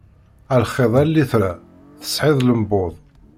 A lxiṛ, a litra, tesɛiḍ llembuḍ!